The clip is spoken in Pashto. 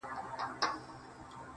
سپوږمۍ خو مياشت كي څو ورځي وي,